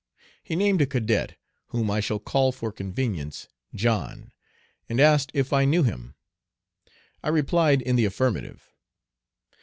He named a cadet, whom I shall call for convenience John, and asked if I knew him. I replied in the affirmative.